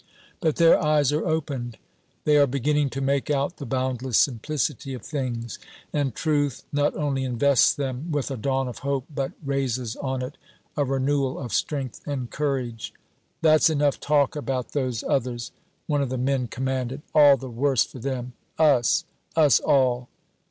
But their eyes are opened. They are beginning to make out the boundless simplicity of things. And Truth not only invests them with a dawn of hope, but raises on it a renewal of strength and courage. "That's enough talk about those others!" one of the men commanded; "all the worse for them! Us! Us all!"